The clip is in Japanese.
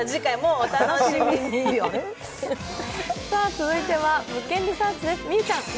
続いては「物件リサーチ」です。